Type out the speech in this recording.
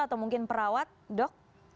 atau mungkin perawat dok